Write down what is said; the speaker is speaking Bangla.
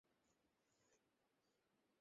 তিনি শিক্ষামন্ত্রী হিসেবে দায়িত্বপালন করেছেন।